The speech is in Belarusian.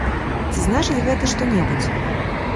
Ці значыць гэта што-небудзь?